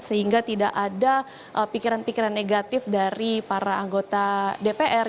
sehingga tidak ada pikiran pikiran negatif dari para anggota dpr